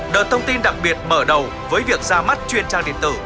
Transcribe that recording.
đợt thông tin đặc biệt mở đầu với việc ra mắt truyền trang điện tử